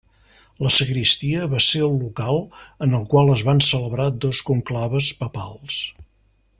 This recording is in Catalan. La sagristia va ser el local en el qual es van celebrar dos conclaves papals.